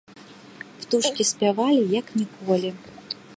Птушкі спявалі як ніколі.